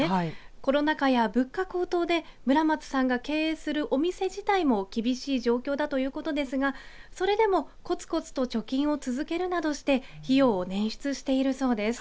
コロナ禍や物価高騰で村松さんが経営するお店自体も厳しい状況だということですがそれでもこつこつと貯金を続けるなどして費用を捻出しているそうです。